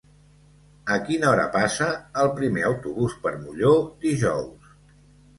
A quina hora passa el primer autobús per Molló dijous?